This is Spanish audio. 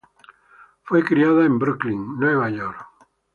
Fue criada en Brooklyn, Nueva York.